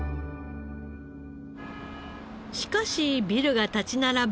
しかしビルが立ち並ぶ